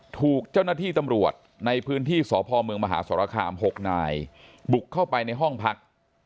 ถูกเจ้าหน้าที่ตำรวจในพื้นที่สพเมืองมหาสรคาม๖นายบุกเข้าไปในห้องพัก